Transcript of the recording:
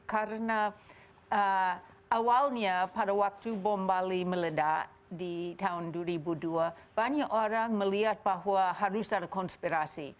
karena awalnya pada waktu bom bali meledak di tahun dua ribu dua banyak orang melihat bahwa harus ada konspirasi